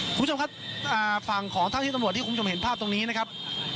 คุณผู้ชมครับฝั่งของเท่าที่ตำรวจที่คุณผู้ชมเห็นภาพตรงนี้นะครับ